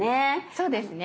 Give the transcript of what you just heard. そうですね。